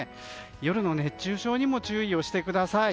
夜の熱中症にも注意をしてください。